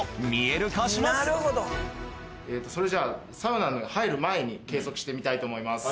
それじゃサウナに入る前に計測してみたいと思います。